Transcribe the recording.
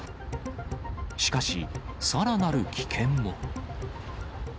しかし、さらなる危険も。